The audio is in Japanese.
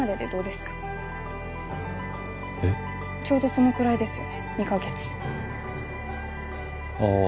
ちょうどそのくらいですよね二カ月あ